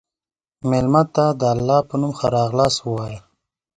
مېلمه ته د الله په نوم ښه راغلاست ووایه.